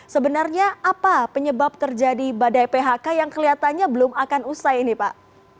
sebenarnya apa penyebab terjadi badai phk yang kelihatannya belum akan usai ini pak